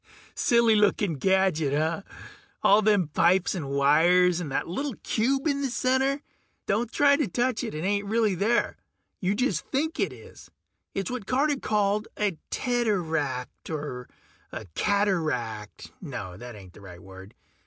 Silly looking gadget, huh? All them pipes and wires and that little cube in the center ... don't try to touch it, it ain't really there. You just think it is. It's what Carter called a teteract, or a cataract ... no, that ain't the right word.